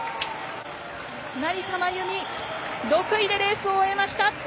成田真由美６位でレースを終えました。